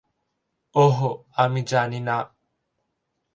ওহ, আমি জানি না।